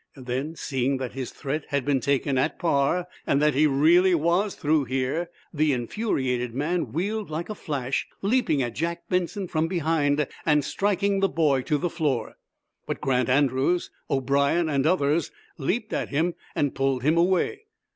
Then, seeing that his threat had been taken at par, and that he was really through here, the infuriated man wheeled like a flash, leaping at Jack Benson from behind and striking the boy to the floor. But Grant Andrews, O'brien and others leaped at him and pulled him away.